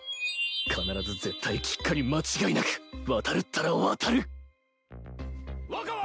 必ず絶対きっかり間違いなく渡るったら渡る若はいたか！？